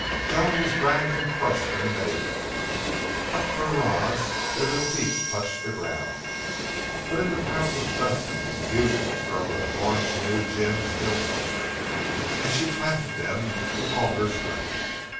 Joan was dragged and crushed in the melee. Not for rods did her feet touch the ground. But in the clouds of dust and confusion of struggling forms she knew Jim still held her, and she clasped him with all her strength.